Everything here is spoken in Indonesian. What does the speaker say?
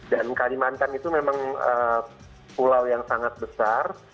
dan kalimantan itu memang pulau yang sangat besar